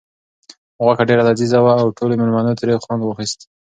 غوښه ډېره لذیذه وه او ټولو مېلمنو ترې خوند واخیست.